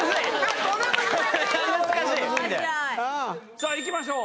さぁ行きましょう！